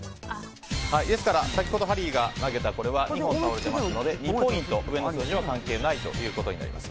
ですから、先ほどハリーが投げたのは２本倒れているので２ポイント、上の数字は関係ないことになります。